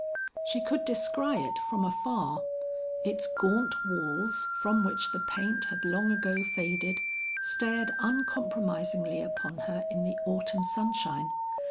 She could descry it from afar. Its gaunt walls from which the paint had long ago faded, stared uncompromisingly upon her in the autumn sunshine.